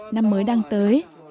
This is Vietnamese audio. năm mới đang tới